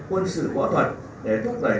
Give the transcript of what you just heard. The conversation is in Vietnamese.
quân sự võ thuật để thúc đẩy